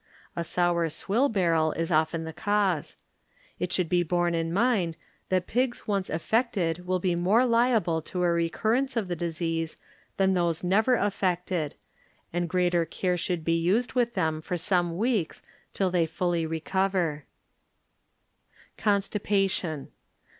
A sour swill barrel is often the cause. It should be borne in mind that pigs once affected will be more liable to a recur rence of the disease than those never affected, )nd greater care should be used with thet 1 for some weeks till they fully CoNSTi 'ATiON.